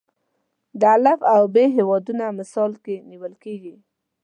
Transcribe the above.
د الف او ب هیوادونه مثال کې نیول کېږي.